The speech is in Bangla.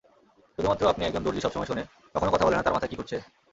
শুধুমাত্র আপনি একজন দর্জি সবসময় শোনে, কখনো কথা বলেনা তার মাথায় কি ঘুরছে?